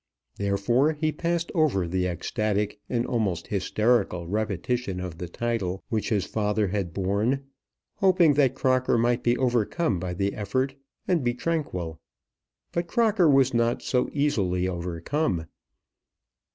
Therefore he passed over the ecstatic and almost hysterical repetition of the title which his father had borne, hoping that Crocker might be overcome by the effort, and be tranquil. But Crocker was not so easily overcome.